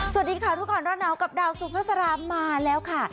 สวัสดีค่ะทุกคนรอดนาวกับดาวสุพศรามมาแล้วค่ะ